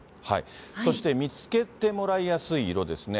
そして見つけてもらいやすい色ですね。